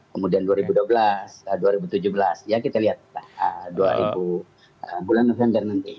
kemudian dua ribu dua belas dua ribu tujuh belas ya kita lihat bulan november nanti